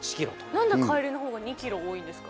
何で帰りのほうが２ｋｍ多いんですか？